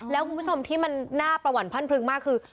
แล้วคุณผู้ชมที่มันหน้าประหว่างพันธุ์พลึงมากคือ